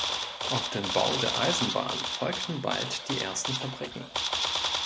Auf den Bau der Eisenbahn folgten bald die ersten Fabriken.